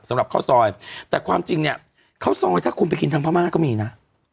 สำหรับข้าวซอยแต่ความจริงเนี่ยข้าวซอยถ้าคุณไปกินทางพม่าก็มีนะ